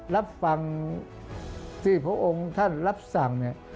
รับฟังที่พระองค์ท่านรับสั่งเนี่ย